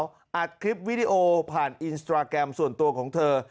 อัดคลิปวิดีโอผ่านอินสตราแกรมส่วนตัวของเธอ